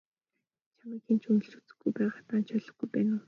Чамайг хэн ч үнэлж үзэхгүй байгааг даанч ойлгохгүй байна уу?